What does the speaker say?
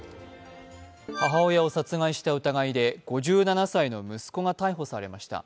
母親を殺害した疑いで５７歳の男が逮捕されました。